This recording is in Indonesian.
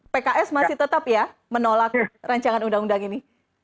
pks masih tetap ya menolak rancangan undang undang ini